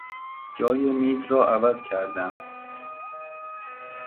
جای میز را عوض کردم.